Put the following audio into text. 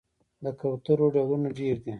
د کوترو ډولونه ډیر دي